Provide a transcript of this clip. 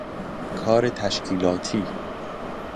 کار تشکیلاتی